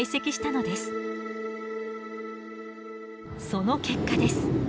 その結果です。